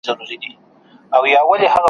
چي پخوا د بوډۍ ټال وو اوس غروب وینم په خوب کي ,